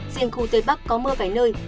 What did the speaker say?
riêng khu tây bắc có mưa vài nơi